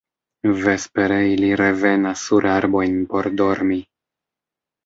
Vespere ili revenas sur arbojn por dormi.